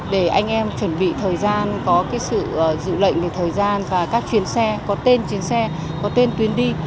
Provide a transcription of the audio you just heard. để anh em chuẩn bị thời gian có sự dự lệnh về thời gian và các chuyến xe có tên chuyến xe có tên tuyến đi